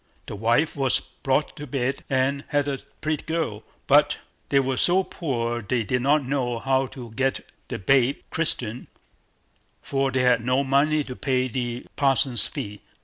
The wife was brought to bed, and had a pretty girl, but they were so poor they did not know how to get the babe christened, for they had no money to pay the parson's fees.